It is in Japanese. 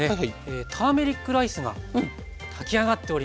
ターメリックライスが炊き上がっております。